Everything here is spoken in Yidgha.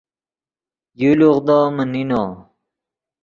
یو لوغدو من نینو